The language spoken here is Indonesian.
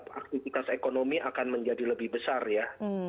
aktivitas ekonomi akan menjadi lebih besar ya